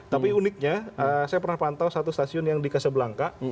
tapi uniknya saya pernah pantau satu stasiun yang di kasebelaka